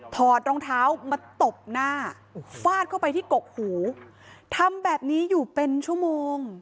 ถอดรองเท้ามาตบหน้าฟาดเข้าไปที่กกหูทำแบบนี้อยู่เป็นชั่วโมง